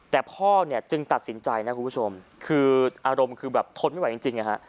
แต่พ่อจึงตัดสินใจนะคุณผู้ชมอารมณ์คือแบบทนไม่ไหวจริง